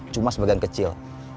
cuma sebagian kecil